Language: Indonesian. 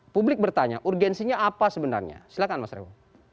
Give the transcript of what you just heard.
publik bertanya urgensinya apa sebenarnya silahkan mas revo